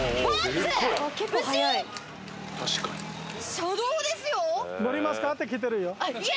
車道ですよ。